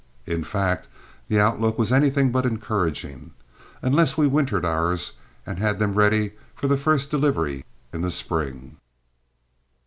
In fact, the outlook was anything but encouraging, unless we wintered ours and had them ready for the first delivery in the spring.